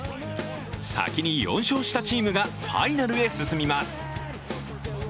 先に４勝したチームがファイナルへ進みます。